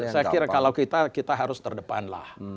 saya kira kalau kita kita harus terdepan lah